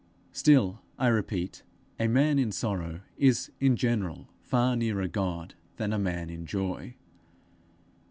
Still, I repeat, a man in sorrow is in general far nearer God than a man in joy.